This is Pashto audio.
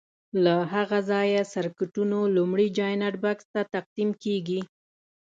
له هغه ځایه سرکټونو لومړني جاینټ بکس ته تقسیم کېږي.